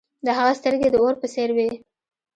د هغه سترګې د اور په څیر وې.